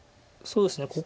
そうですね